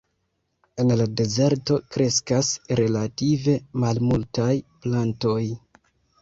En la dezerto kreskas relative malmultaj plantoj.